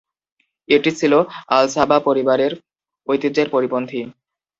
এটি ছিল আল-সাবাহ পরিবারের ঐতিহ্যের পরিপন্থী।